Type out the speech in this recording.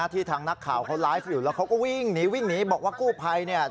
ที่ทางนักข่าวเขาไลฟ์อยู่แล้วเขาก็วิ่งหนีวิ่งหนีบอกว่ากู้ภัยเนี่ย